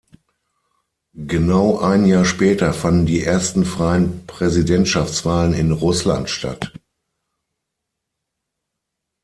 Genau ein Jahr später fanden die ersten freien Präsidentschaftswahlen in Russland statt.